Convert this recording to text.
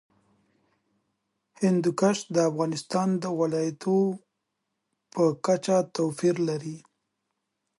هندوکش د افغانستان د ولایاتو په کچه توپیر لري.